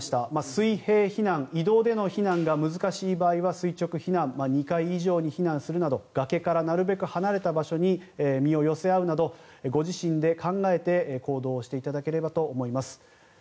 水平避難移動での避難が難しい場合は垂直避難２階以上に避難するなど崖からなるべく離れた場所に身を寄せ合うなどご自身で考えて行動していただければと思います。